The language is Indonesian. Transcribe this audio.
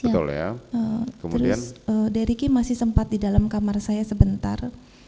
terus dericky masih sempat di dalam kamar saya sebentar